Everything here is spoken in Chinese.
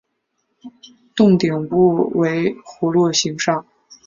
幢顶部为葫芦形刹。